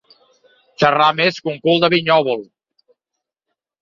Xerrar més que un cul de vinyòvol.